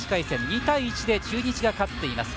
２対１で中日が勝っています